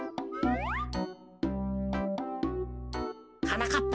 はなかっ